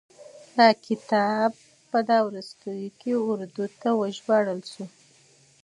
دا کتاب وروستو اردو ته وژباړل شو.